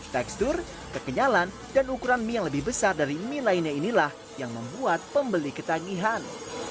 tekstur kekenyalan dan ukuran mie yang lebih besar dari mie lainnya inilah yang membuat pembeli ketagihan